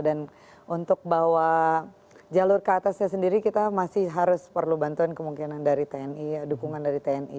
dan untuk bawa jalur ke atasnya sendiri kita masih harus perlu bantuan kemungkinan dari tni dukungan dari tni